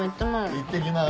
いってきます。